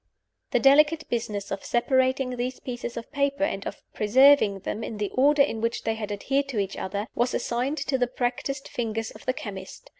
The delicate business of separating these pieces of paper, and of preserving them in the order in which they had adhered to each other, was assigned to the practiced fingers of the chemist.